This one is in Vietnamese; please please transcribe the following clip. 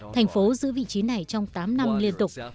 thành phố giữ vị trí này trong tám năm liên tục